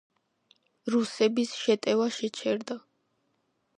რუსების შეტევა შეჩერდა.